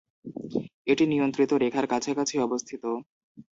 এটি নিয়ন্ত্রণ রেখার কাছাকাছি অবস্থিত।